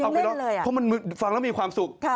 เรายังเล่นเลยอ่ะเพราะมันฟังแล้วมีความสุข